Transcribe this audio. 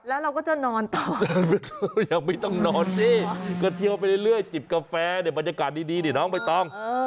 แล้วเราก็จะนอนต่อยังไม่ต้องนอนสิก็เที่ยวไปเรื่อยจิบกาแฟเนี่ยบรรยากาศดีนี่น้องใบตอง